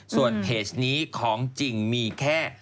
ส่วนเพจนี้ของจริงมีแค่